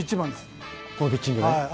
このピッチングね。